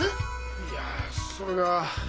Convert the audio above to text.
いやそれが。